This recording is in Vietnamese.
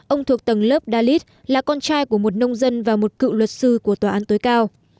ông thuộc tầng lớp dalit là con trai của một nông dân và một cựu luật sư của tòa án tối cao